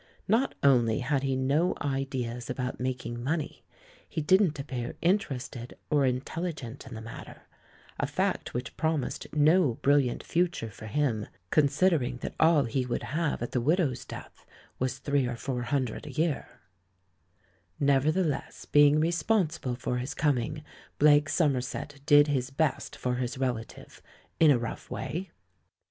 Not only had he no ideas about mak ing money, he didn't appear interested or intelli gent in the matter — a fact which promised no brilliant future for him, considering that all he would have at the widow's death was three or four hundi'ed a year, Nevertheless, being responsible for his coming, Blake Somerset did his best for his relative, in a rough way.